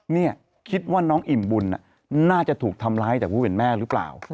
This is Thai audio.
นี่คิดว่าน้องอิ่มบุญน่าจะถูกทำร้ายจากผู้เป็นแม่หรือเปล่า